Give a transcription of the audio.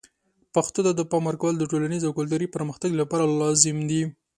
پښتو ته د پام ورکول د ټولنیز او کلتوري پرمختګ لپاره لازم دي.